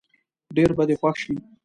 ډېر به دې خوښ شي.